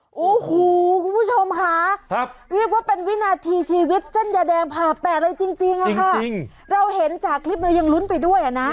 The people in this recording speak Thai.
โอ้โหคุณผู้ชมค่ะเรียกว่าเป็นวินาทีชีวิตเส้นยาแดงผ่าแปดเลยจริงอะค่ะเราเห็นจากคลิปเรายังลุ้นไปด้วยอ่ะนะ